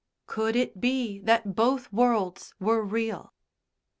Could it be that both worlds were real?